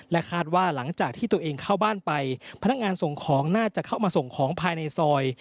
คาดว่าหลังจากที่ตัวเองเข้าบ้านไปพนักงานส่งของน่าจะเข้ามาส่งของภายในซอย